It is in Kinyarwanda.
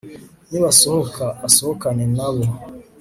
nibasohoka asohokane na bo